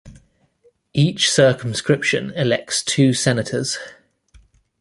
Each circumscription elects two senators.